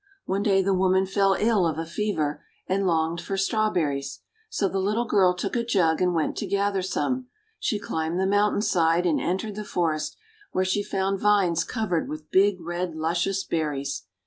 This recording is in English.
One day the woman fell ill of a fever, and longed for Strawberries. So the little girl took a jug and went to gather some. She climbed the mountain side, and entered the forest, where she found vines covered with big, red, luscious berries.